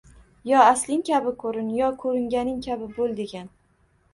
Yo asling kabi koʻrin, yo koʻringaning kabi boʻl degan.